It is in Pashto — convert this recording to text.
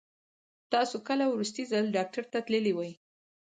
تاسو کله وروستی ځل ډاکټر ته تللي وئ؟